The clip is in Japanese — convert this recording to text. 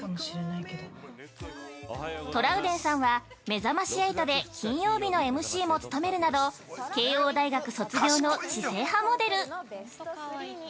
トラウデンさんは「めざまし８」で金曜日のＭＣも務めるなど慶應大学卒業の知性派モデル。